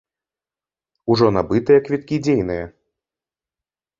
Ужо набытыя квіткі дзейныя.